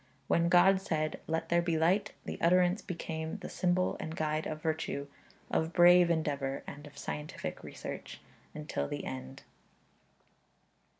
When God said, 'Let there be light,' the utterance became the symbol and guide of virtue, of brave endeavour, and of scientific research, until the end.